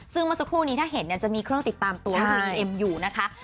ซึ่งเมื่อสักครู่นี้ถ้าเห็นเนี่ยจะมีเครื่องติดตามตัวคุณบีเอ็มอยู่นะคะ